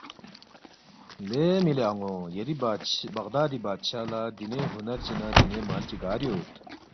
”لے مِلی ان٘و یری بغدادی بادشاہ لہ دِینے ہُنر چی نہ دِینے مال چی گار یود؟